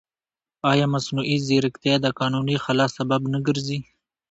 ایا مصنوعي ځیرکتیا د قانوني خلا سبب نه ګرځي؟